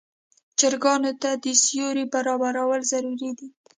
چرګانو ته د سیوري برابرول ضروري دي.